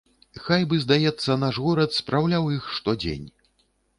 Хай бы, здаецца, наш горад спраўляў іх штодзень.